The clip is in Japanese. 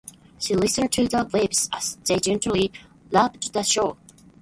She listened to the waves as they gently lapped the shore.